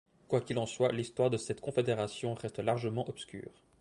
Quoi qu'il en soit, l'histoire de cette confédération reste largement obscure.